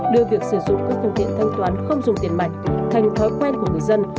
đưa việc sử dụng các phương tiện thanh toán không dùng tiền mặt thành thói quen của người dân